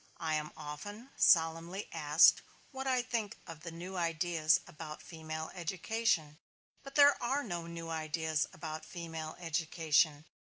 I am often solemnly asked what I think of the new ideas about female education. But there are no new ideas about female education.